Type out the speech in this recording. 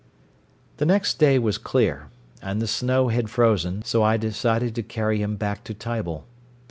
The next day was clear, and the snow had frozen, so I decided to carry him back to Tible.